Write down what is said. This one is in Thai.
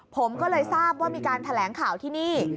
ผมก็เลยทราบว่ามีการแถลงข่าวที่นี่